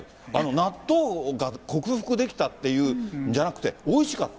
納豆が克服できたっていうんじゃなくて、おいしかった。